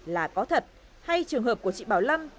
là có thật hay trường hợp của chị bảo lâm